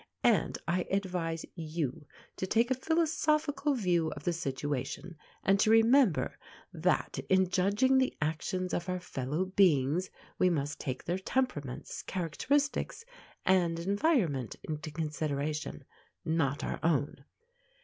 And I advise you to take a philosophical view of the situation, and to remember that, in judging the actions of our fellow beings, we must take their temperaments, characteristics, and environment into consideration, not our own.